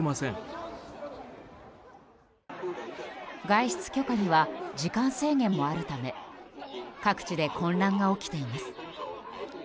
外出許可には時間制限もあるため各地で混乱が起きています。